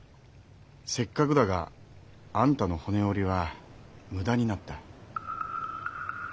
せっかくだがあんたの骨折りは無駄になった。